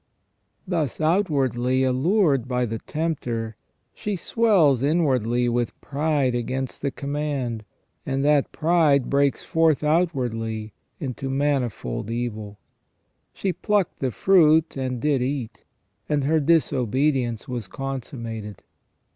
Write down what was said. Thus outwardly allured by the tempter, she swells inwardly with pride against the command, and that pride breaks forth outwardly into manifold evil. She plucked the fruit, and did eat, and her disobedience was consummated.